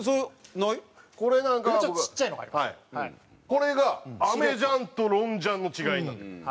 これがアメジャンとロンジャンの違いになってくる。